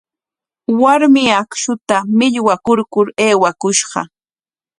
Warmi akshuta millqakurkur aywakushqa.